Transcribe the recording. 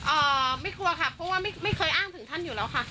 อะไม่กลัวค่ะคือว่าไม่เคยอ้างถึงท่านอยู่แล้วค่ะ